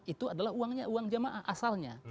itu adalah uangnya uang jamaah asalnya